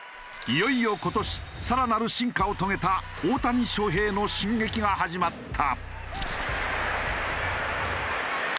いよいよ今年更なる進化を遂げた大谷翔平の進撃が始まった。